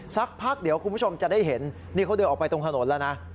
สักพักเดี๋ยวคุณผู้ชมจะได้เห็นนี่เขาเดินออกไปตรงถนนแล้วนะ